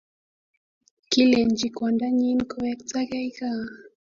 Kilenchi kwandanyin kowektagei gaa.